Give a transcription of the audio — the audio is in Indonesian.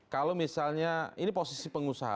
kalau misalnya ini posisi pengusaha